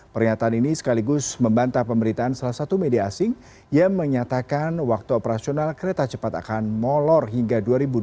pernyataan ini sekaligus membantah pemberitaan salah satu media asing yang menyatakan waktu operasional kereta cepat akan molor hingga dua ribu dua puluh